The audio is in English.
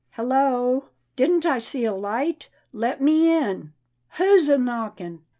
hello! — didn't I see a light? Let me in." " Who's a knockin' ?